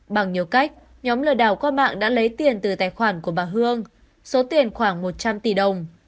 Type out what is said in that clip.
bằng nhiều cách nhóm lừa đảo qua mạng đã lấy tiền từ tài khoản của bà hương số tiền khoảng một trăm linh tỷ đồng